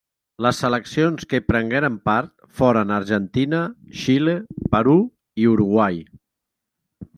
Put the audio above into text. Les seleccions que hi prengueren part foren Argentina, Xile, Perú, i Uruguai.